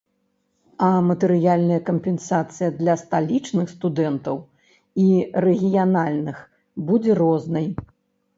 А матэрыяльная кампенсацыя для сталічных студэнтаў і рэгіянальных будзе рознай.